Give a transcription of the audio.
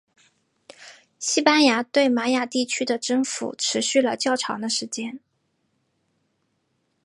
西班牙对玛雅地区的征服持续了较长的时间。